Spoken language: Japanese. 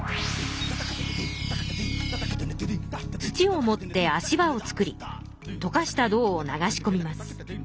土をもって足場を作りとかした銅を流し込みます。